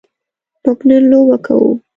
موږ نن لوبه کوو.